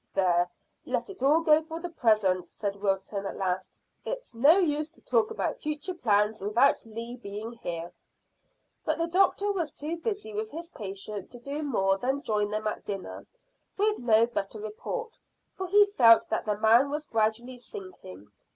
"There, let it all go for the present," said Wilton, at last. "It's no use to talk about future plans without Lee being here." But the doctor was too busy with his patient to do more than join them at dinner, with no better report, for he felt that the man was gradually sinking.